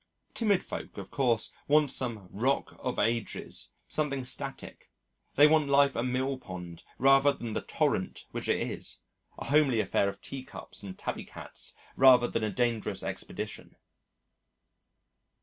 Timid folk, of course, want some Rock of Ages, something static. They want life a mill pond rather than the torrent which it is, a homely affair of teacups and tabby cats rather than a dangerous expedition.